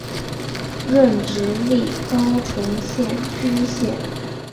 任直隶高淳县知县。